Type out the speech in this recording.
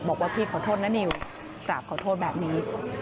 บอกว่าพี่ขอโทษนะนิวกราบขอโทษแบบนี้